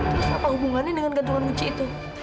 terus kenapa hubungannya dengan gantungan kunci itu